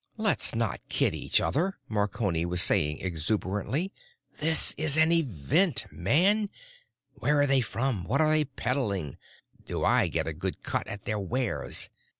"Let's not kid each other," Marconi was saying exuberantly. "This is an event, man! Where are they from, what are they peddling? Do I get a good cut at their wares?